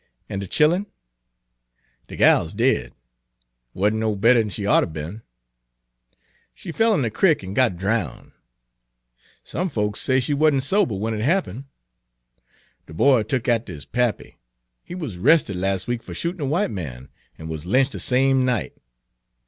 "An' de chillen?" "De gal's dead. Wuz 'n' no better 'n she oughter be'n. She fell in de crick an' got drown'; some folks say she wuz 'n' sober w'en it happen'. De boy tuck atter his pappy. He wuz 'rested las' week fer shootin' a w'ite man, an' wuz lynch' de same night.